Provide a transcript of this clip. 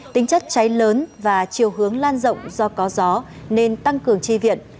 tính chất cháy lớn và chiều hướng lan rộng do có gió nên tăng cường tri viện